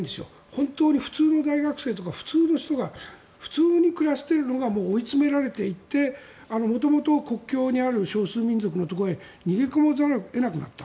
本当に普通の大学生とか普通の人が普通に暮らしているのが追い詰められていって元々国境にある少数民族のところをへ逃げこまざるを得なくなった。